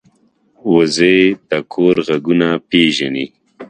وزې د کور غږونه پېژني